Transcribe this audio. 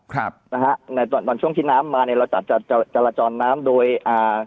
ครับนะฮะในตอนตอนช่วงที่น้ำมาเนี้ยเราจัดจะจราจรน้ำโดยอ่า